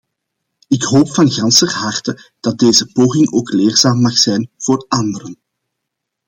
Ik hoop van ganser harte dat deze poging ook leerzaam mag zijn voor anderen!